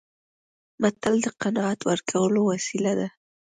متل د قناعت ورکولو وسیله ده